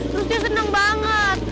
terus dia seneng banget